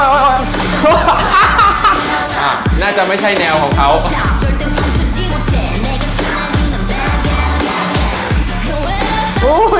น่าจะไม่ใช่แนวของเขา